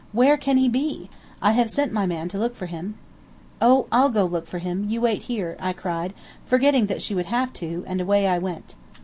Where can he be? I have sent my man to look for him." "Oh, I'll go look for him! You wait here," I cried, forgetting that she would have to, and away I went.